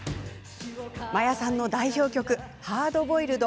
真矢さんの代表曲「ハードボイルド」。